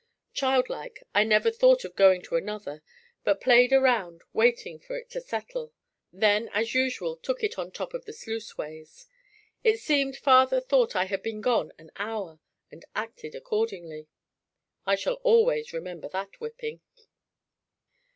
Childlike, I never thought of going to another but played around waiting for it to settle, then as usual took it on top of the sluiceways. It seemed father thought I had been gone an hour and acted accordingly. I shall always remember that whipping.